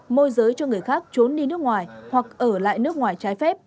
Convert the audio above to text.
môi giới cho người khác trốn đi nước ngoài hoặc ở lại nước ngoài trái phép